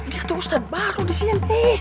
dia tuh ustadz baru disini